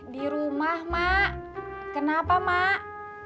di rumah mak kenapa mak